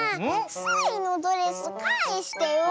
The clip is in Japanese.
スイのドレスかえしてよ！